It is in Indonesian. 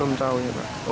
belum tahu ya pak